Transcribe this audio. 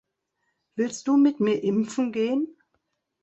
Willst du mit mir impfen gehen?